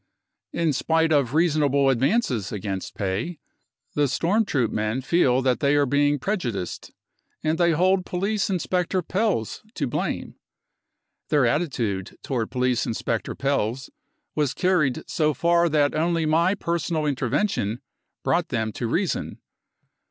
In spite of reasonable advances against pay the storm troop men feel that | they are being prejudiced, and they hold police inspector ( Pelz to blame. Their attitude to police inspector Pelz j' was carried so far that only my personal intervention I brought them to reason.